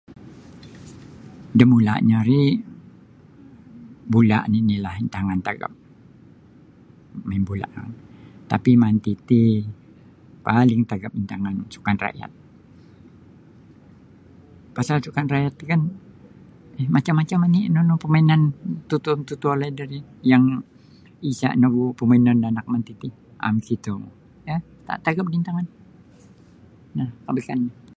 Da mulanyo ri bula nini la intangan tagap main bula tapi manti ti paling tagap intangan sukan rakyat pasal sukan rakyat ti kan macam-macam oni nunu pamainan totuo-mototuo laid ri yang isa no gu pamainan da anak manti ti makito ku um tagap da intangan no kabisan.